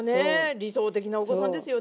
理想的なお子さんですよね。